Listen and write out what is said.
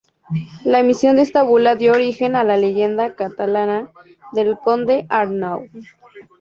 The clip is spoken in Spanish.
La emisión de esta bula dio origen a la leyenda catalana del Conde Arnau.